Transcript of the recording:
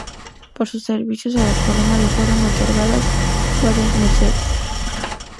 Por sus servicios a la corona le fueron otorgadas varias mercedes.